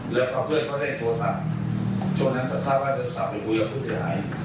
แล้วก็ได้โทรศัพท์ช่วงนั้นถ้าถ้ามัยสับอย่างผู้เสียหาย